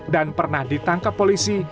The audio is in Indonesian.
dan pernah ditangkap polisi